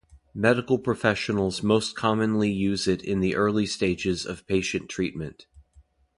Medical professionals most commonly use it in the early stages of patient treatment.